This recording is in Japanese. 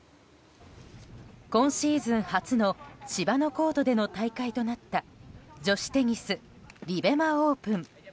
今シーズン初の芝のコートでの大会となった女子テニス、リベマ・オープン。